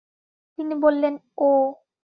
তিনি বললেন, ও ।